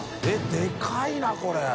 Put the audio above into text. ┐でかいなこれ。